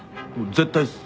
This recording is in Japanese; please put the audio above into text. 絶対っす。